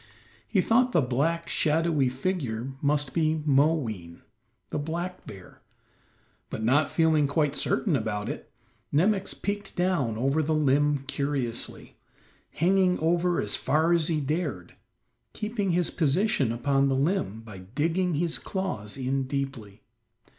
He thought the black, shadowy figure must be Moween, the black bear, but not feeling quite certain about it, Nemox peeked down over the limb curiously, hanging over as far as he dared, keeping his position upon the limb by digging his claws in deeply.